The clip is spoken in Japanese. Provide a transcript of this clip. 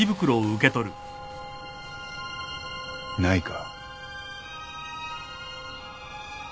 ないか？